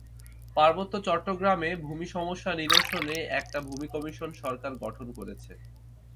পার্বত্য চট্টগ্রামে ভূমি সমস্যা নিরসনে একটা ভূমি কমিশন সরকার গঠন করেছে।